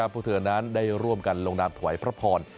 พวกเธอนั้นได้ร่วมกันลงนามถวายพระพร